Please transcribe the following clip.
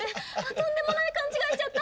とんでもない勘違いしちゃった！